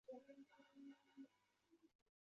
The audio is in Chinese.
特罗伊赫特林根是德国巴伐利亚州的一个市镇。